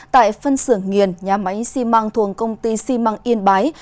tại phân xưởng nghiền nhà máy xi măng thuồng công ty xi măng yên bái